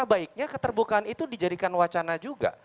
sebaiknya keterbukaan itu dijadikan wacana juga